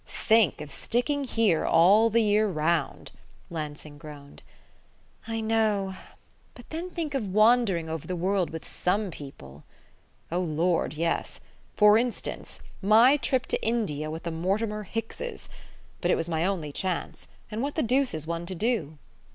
"Think of sticking here all the year round!" Lansing groaned. "I know. But then think of wandering over the world with some people!" "Oh, Lord, yes. For instance, my trip to India with the Mortimer Hickses. But it was my only chance and what the deuce is one to do?"